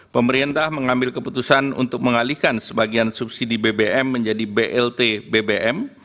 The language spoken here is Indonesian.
pemerintah mengambil keputusan untuk mengalihkan sebagian subsidi bbm menjadi blt bbm